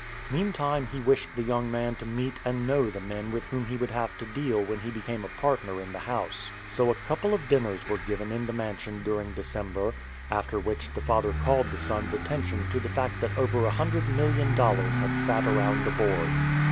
Meantime he wished the young man to meet and know the men with whom he would have to deal when he became a partner in the house. So a couple of dinners were given in the mansion during December, after which the father called the son's attention to the fact that over a hundred million dollars had sat around the board.